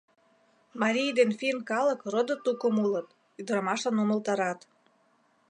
— Марий ден финн калык родо-тукым улыт, — ӱдырамашлан умылтарат.